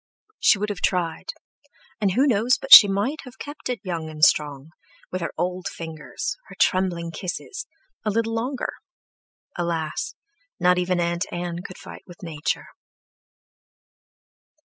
She would have tried, and who knows but she might have kept it young and strong, with her old fingers, her trembling kisses—a little longer; alas! not even Aunt Ann could fight with Nature.